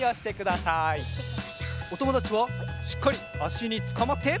おともだちはしっかりあしにつかまって！